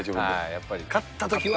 やっぱり、勝ったときは。